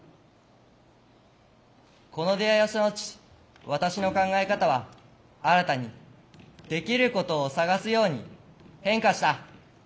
この出会いをした後私の考え方は新たにできることを探すように変化した。